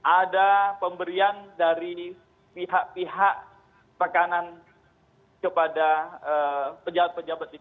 ada pemberian dari pihak pihak tekanan kepada pejabat pejabat di